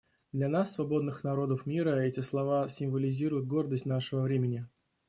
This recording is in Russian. Для нас, свободных народов мира, эти слова символизируют гордость нашего времени.